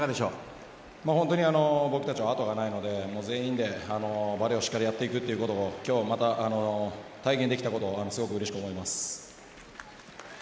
本当に僕たちは後がないので全員でバレーをしっかりやっていくということを今日、体現できたことがすごくうれしく思います。